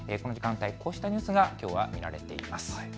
こうしたニュースがきょうは見られています。